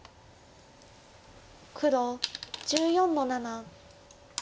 黒１４の七。